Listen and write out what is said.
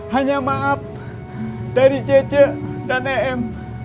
hanya maaf dari jc dan em